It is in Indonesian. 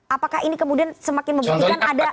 apakah ini kemudian semakin membuktikan ada